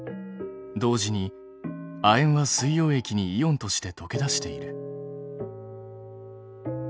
同時に亜鉛は水溶液にイオンとして溶け出している。